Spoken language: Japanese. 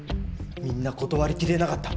みんな断りきれなかった。